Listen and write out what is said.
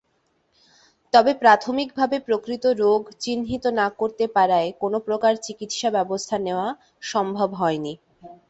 তবে প্রাথমিকভাবে প্রকৃত রোগ চিহ্নিত না করতে পারায় কোন প্রকার চিকিৎসা ব্যবস্থা নেওয়া সম্ভব হয়নি।